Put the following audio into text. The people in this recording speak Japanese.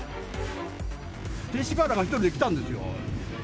勅使河原が１人で来たんですよ。